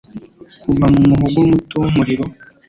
Kuva mu muhogo muto w'umuriro